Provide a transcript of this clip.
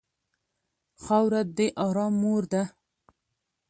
خاوره د ارام مور ده.